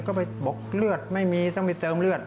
ก็ไปบอกเลือดไม่มีต้องไปเติมเลือด